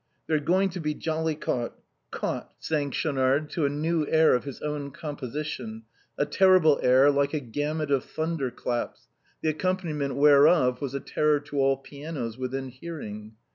"" They're going to be jollily caught — caught !" sang Schaunard to a new air of his own composition; a terrible air, like a gamut of thunder claps, the accompani ment whereof was a terror to all pianos within hearing.